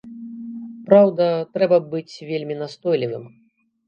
Праўда, трэба быць вельмі настойлівым.